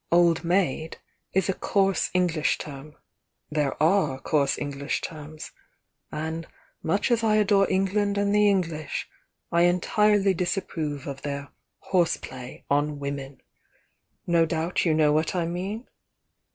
'Old maid' is a coarse Eng lish term, — there are coarse English terms! and much as I adore England and the English, I en tirely disapprove of their 'horseplay' on women! No doubt you know what I mean?"